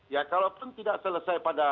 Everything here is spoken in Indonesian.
ya kalaupun tidak selesai pada ya sudah